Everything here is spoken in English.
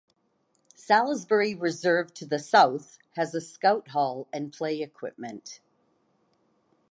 Salisbury Reserve to the south has a scout hall and play equipment.